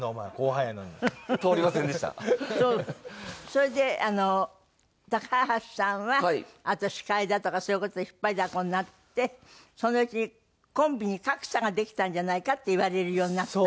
それで高橋さんはあと司会だとかそういう事で引っ張りだこになってそのうちにコンビに格差ができたんじゃないかって言われるようになった？